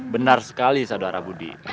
benar sekali sadara budi